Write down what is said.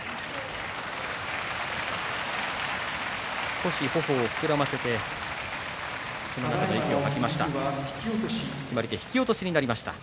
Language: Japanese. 少しほおを膨らませて口の中で息を吐きました。